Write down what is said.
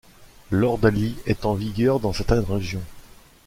L’ordalie est en vigueur dans certaines régions.